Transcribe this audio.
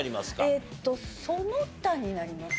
えっとその他になります。